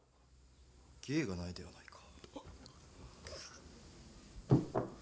芸がないではないか。